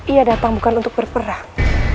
ia datang bukan untuk berperang